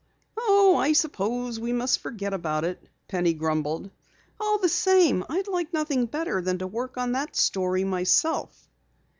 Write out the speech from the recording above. "Oh, I suppose we must forget about it," Penny grumbled. "All the same, I'd like nothing better than to work on the story myself."